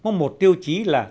có một tiêu chí là